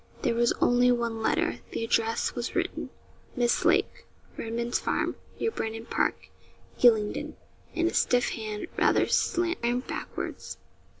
There was only one letter the address was written 'Miss Lake, Redman's Farm, near Brandon Park, Gylingden,' in a stiff hand, rather slanting backwards.